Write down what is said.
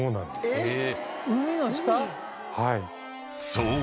［そう。